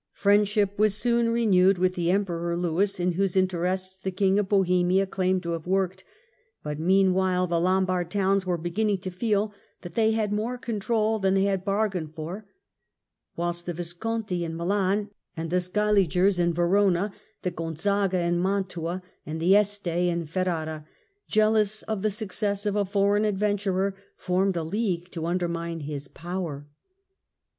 Friendship was soon renewed with the Emperor Lewis, in whose interests the King of Bohemia claimed to have worked, but meanwhile the Lombard towns were beginning to feel that they had League more control than they had bargained for, whilst thejohuof Visconti in Milan and the Scaligers in Verona, the Bohemia Gonzaga in Mantua and the Este in Ferrara, jealous of the success of a foreign adventurer, formed a league to undermine his power.